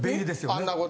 あんな事。